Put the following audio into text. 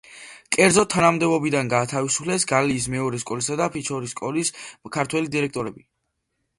კერძოდ, თანამდებობიდან გაათავისუფლეს გალის მეორე სკოლისა და ფიჩორის სკოლის ქართველი დირექტორები.